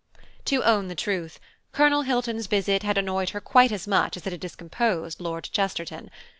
To own the truth, Colonel Hilton's visit had annoyed her quite as much as it had discomposed Lord Chesterton.